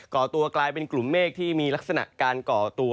่อตัวกลายเป็นกลุ่มเมฆที่มีลักษณะการก่อตัว